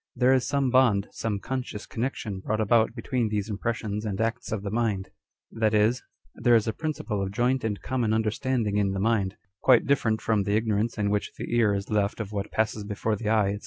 There is some bond, some conscious connection brought about between these impressions and acts of the mind ; that is, there is a principle of joint and common understanding in the mind, quite different from the ignorance in which the ear is left of what passes before the eye, &c.